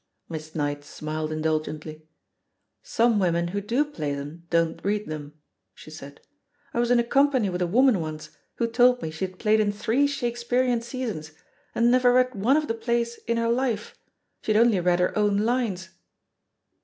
Miss Knight smiled indulgently. ''Some women who do play them don't read them," she said. "I was in a company with a woman once who told me she had played in three Shakespear ean seasons and never read one of the plays in her life — she had only read her own lines."